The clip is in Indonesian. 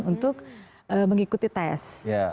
untuk mengikuti tes